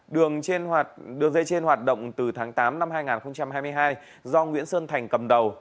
đường trên đường dây trên hoạt động từ tháng tám năm hai nghìn hai mươi hai do nguyễn sơn thành cầm đầu